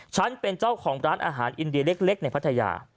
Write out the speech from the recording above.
ฉันเป็นเจ้าของร้านอาหารอินเดียเล็กในพัทยา